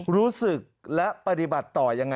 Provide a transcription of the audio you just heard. รู้สึกและปฏิบัติต่อยังไง